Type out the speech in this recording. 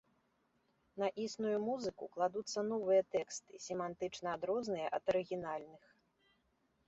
На існую музыку кладуцца новыя тэксты, семантычна адрозныя ад арыгінальных.